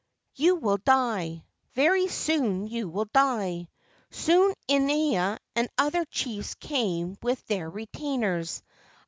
You will die. Very soon you will die." Soon Inaina and other chiefs came with their retainers.